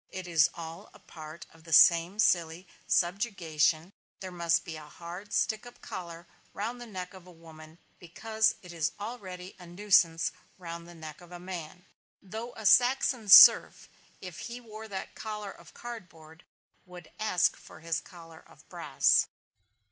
It is all a part of the same silly subjugation; there must be a hard stick up collar round the neck of a woman, because it is already a nuisance round the neck of a man. Though a Saxon serf, if he wore that collar of cardboard, would ask for his collar of brass.